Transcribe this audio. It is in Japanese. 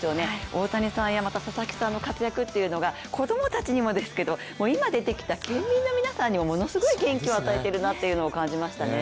大谷さんや佐々木さんの活躍というのが、子供たちにもですけど、今出てきた県民の皆さんにもものすごい元気を与えてるなっていうのを感じましたね。